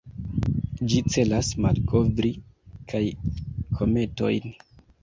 Ĝi celas malkovri kaj kometojn.